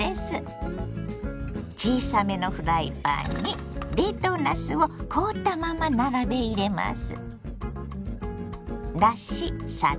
小さめのフライパンに冷凍なすを凍ったまま並べ入れます。